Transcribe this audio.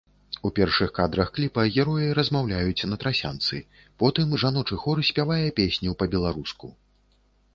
У першых кадрах кліпа героі размаўляюць на трасянцы, потым жаночы хор спявае песню па-беларуску.